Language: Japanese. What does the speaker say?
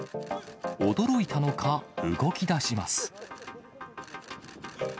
驚いたのか、動きだします。